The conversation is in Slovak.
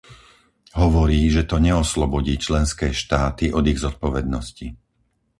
Hovorí, že to neoslobodí členské štáty od ich zodpovednosti.